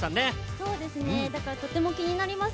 そうですね、だからとても気になります。